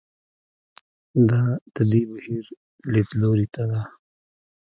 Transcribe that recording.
دا د دې بهیر لیدلوري ته ده.